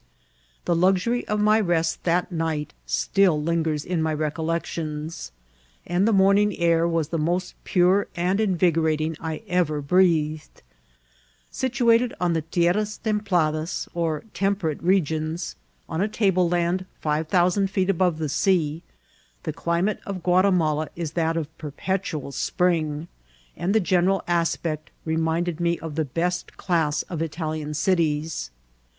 The luxury of my rest that nig^t still lingers in my reoc^ections, and the morning air was the most pure and invigorating I erer breathed. Situated in the ^* Ti erras templadas,'V or temperate regions, on a table land fire thousand feet above the sea, the climate of Guatir mala is that of perpetual spring, and the gcmeral aspect reminded me of th£ best class of Italian cities.